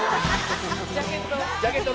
ジャケット。